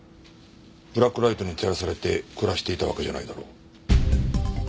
ブラックライトに照らされて暮らしていたわけじゃないだろう？